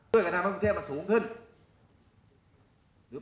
ด้วยกันทำให้ประเทศมันสูงขึ้น